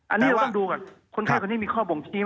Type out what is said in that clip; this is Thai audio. อันนี้เราต้องดูก่อนคนไทยคนนี้มีข้อบ่งชี้